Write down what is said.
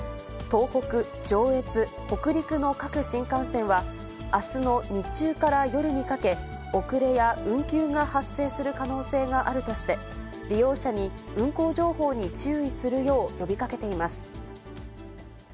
東北、上越、北陸の各新幹線は、あすの日中から夜にかけ、遅れや運休が発生する可能性があるとして、利用者に運行情報に注意するよう呼びかけています。